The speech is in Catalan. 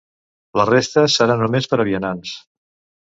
La resta seran només per a vianants.